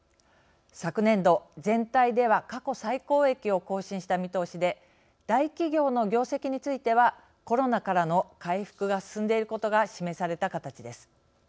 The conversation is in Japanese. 昨年度、全体では過去最高益を更新した見通しで大企業の業績についてはコロナからの回復が進んでいることが示された形です。